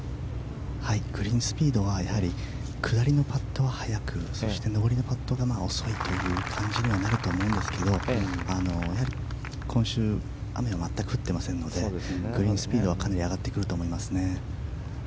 グリーンスピードは下りのパットは速くそして上りのパットが遅いという感じにはなると思うんですけど今週、雨は全く降っていませんのでグリーンスピードはかなり上がってくると思います。